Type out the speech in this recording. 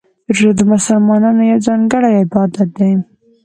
روژه د مسلمانانو یو ځانګړی عبادت دی.